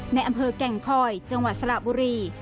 ในอำเภอแก่งคอยจังหวัดสระบุรี